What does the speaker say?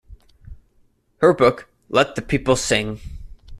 Her book, Let The People Sing!